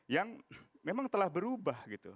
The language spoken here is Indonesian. yang memang telah berubah gitu